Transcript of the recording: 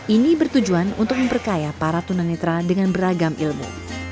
ini bertujuan untuk memperkaya para tunanetra dengan beragam ilmu